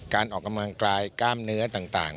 การออกกำลังกายกล้ามเนื้อต่าง